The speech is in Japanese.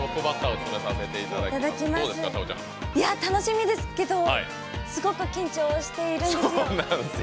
楽しみですけどすごく緊張しているんですよ。